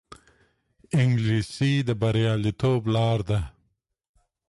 انګلیسي د بریالیتوب لار ده